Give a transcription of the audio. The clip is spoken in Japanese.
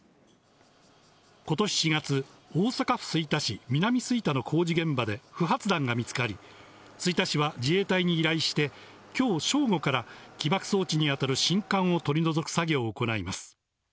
今年４月、大阪府吹田市南吹田の工事現場で不発弾が見つかり、吹田市は自衛隊に依頼して、きょう正午から起爆装置に当たる信管を取り除く作業を行います。